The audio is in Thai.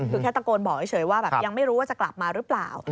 คือแค่ตะโกนบอกเฉยว่าแบบยังไม่รู้ว่าจะกลับมาหรือเปล่า